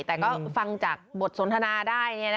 แต่ก็ฟังจากบทสนทนาได้